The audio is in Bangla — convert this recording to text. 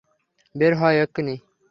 বের হও এক্ষুণি।